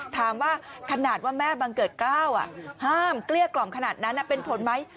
ถามว่าขนาดว่าแม่บังเกิดกล้าวห้ามเกลี้ยกล่อมขนาดนั้นเป็นผลไหม